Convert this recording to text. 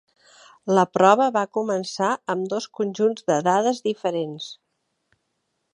La prova va començar amb dos conjunts de dades diferents.